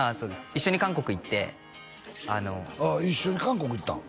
一緒に韓国行ってあのあっ一緒に韓国行ったん？